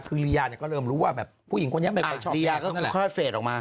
คือรียาก็เริ่มรู้ว่าผู้หญิงคนนี้ไม่ชอบแม่เขา